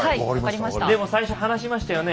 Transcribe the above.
でも最初に話しましたよね。